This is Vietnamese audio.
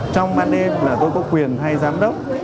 trong ban đêm là tôi có quyền hay giám đốc